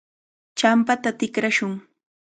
Champata tikrashun.